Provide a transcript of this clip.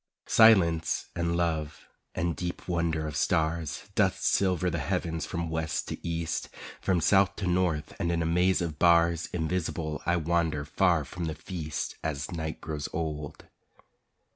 Silence and love and deep wonder of stars Dust silver the heavens from west to east, From south to north, and in a maze of bars Invisible I wander far from the feast As night grows old.